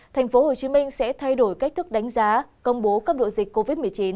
tp hcm sẽ thay đổi cách thức đánh giá công bố cấp độ dịch covid một mươi chín